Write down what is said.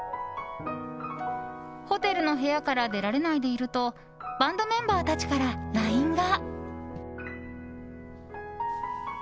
ホテルの部屋から出られないでいるとバンドメンバーたちからＬＩＮＥが。